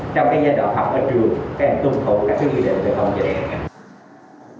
trong giai đoạn học ở trường các em tuân thủ các quy định về công việc